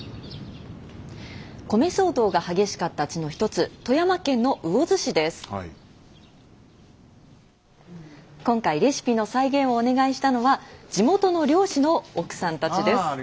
米騒動が激しかった地の一つ今回レシピの再現をお願いしたのは地元の漁師の奥さんたちです。